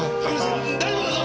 大丈夫だぞ！